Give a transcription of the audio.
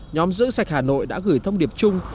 nhóm giữ sạch hà nội đã gửi thông điệp chung